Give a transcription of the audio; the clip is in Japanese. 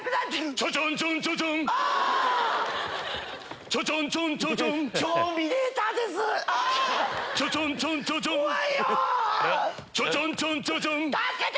ちょちょんちょんちょちょん助けて！